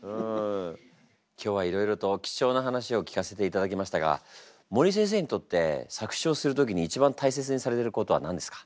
今日はいろいろと貴重な話を聞かせていただきましたが森先生にとって作詞をする時に一番大切にされてることは何ですか？